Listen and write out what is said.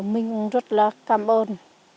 mình rất là cảm ơn